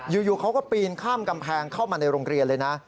อยู่เขาก็ปีนข้ามกำแพงเข้ามาในโรงเรียนเลยนะ